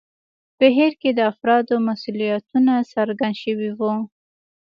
په هیر کې د افرادو مسوولیتونه څرګند شوي وو.